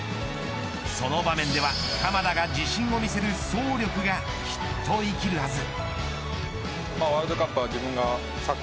その場面では鎌田が自信を見せる走力がきっと生きるはず。